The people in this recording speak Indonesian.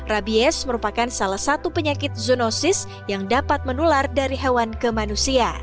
rabies merupakan salah satu penyakit zoonosis yang dapat menular dari hewan ke manusia